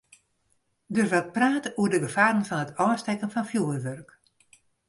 Der waard praat oer de gefaren fan it ôfstekken fan fjoerwurk.